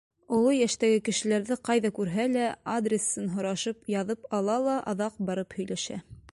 Оло йәштәге кешеләрҙе ҡайҙа күрһә лә, адресын һорашып яҙып ала ла аҙаҡ барып һөйләшә.